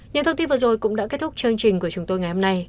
những thông tin vừa rồi cũng đã kết thúc chương trình của chúng tôi ngày hôm nay